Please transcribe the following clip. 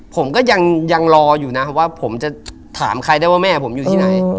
ผมก็ยังรออยู่นะว่าผมจะถามใครได้ว่าแม่ผมอยู่ที่ไหน